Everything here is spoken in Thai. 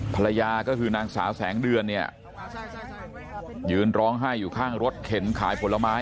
ภรรยาก็คือนางสาวแสงเดือนเนี่ยยืนร้องไห้อยู่ข้างรถเข็นขายผลไม้